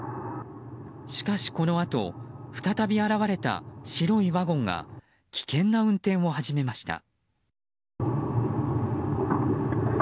しかし、このあと再び現れた白いワゴンが危険な運転を始めました。